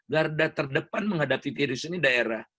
garda terdepan menghadapi virus ini daerah